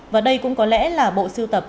và đây cũng có lẽ là bộ sưu tập